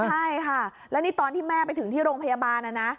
ใช่ค่ะแล้วนี่ตอนที่แม่ไปถึงที่โรงพยาบาลนะนะ